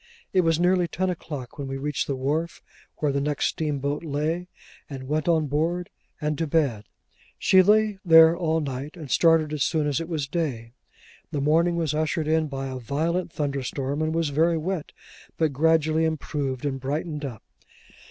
It was nearly ten o'clock when we reached the wharf where the next steamboat lay; and went on board, and to bed. She lay there all night, and started as soon as it was day. The morning was ushered in by a violent thunderstorm, and was very wet, but gradually improved and brightened up.